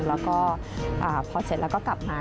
แล้วก็พอเสร็จแล้วก็กลับมา